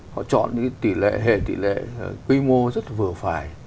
họ chọn những hệ tỷ lệ quy mô rất vừa phải